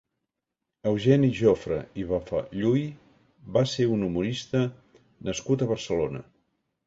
Eugeni Jofra i Bafalluy va ser un humorista nascut a Barcelona.